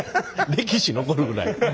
歴史残るぐらい。